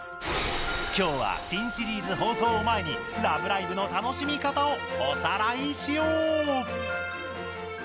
きょうは新シリーズ放送を前に「ラブライブ！」の楽しみ方をおさらいしよう！